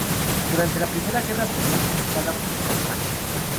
Durante la Primera Guerra Mundial fue ocupada por los alemanes.